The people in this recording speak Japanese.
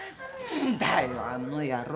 何だよあの野郎。